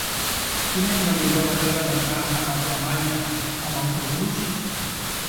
Quina és la millor manera d'anar a Madremanya amb autobús?